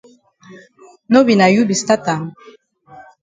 No be na you be stat am.